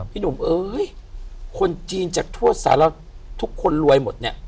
ที่หนุ่มเอ่ยคนจีนจากต๘๐๓แล้วทุกคนรวยหมดเนี่ย